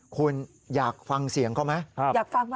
คุณอยากฟังเสียงเขาไหม